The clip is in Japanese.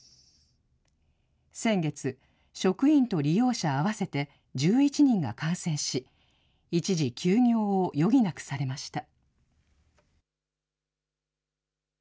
先月、職員と利用者合わせて１１人が感染し、一時休業を余儀なくされました。